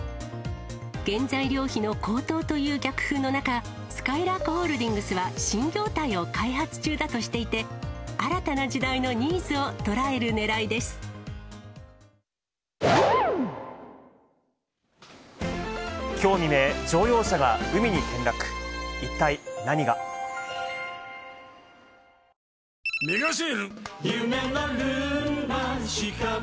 原材料費の高騰という逆風の中、すかいらーくホールディングスは、新業態を開発中だとしていて、きょうのニュースをまとめてお伝えするきょうコレです。